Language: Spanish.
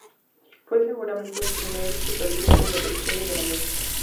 Fue, seguramente, el primer supergrupo de la historia de la música.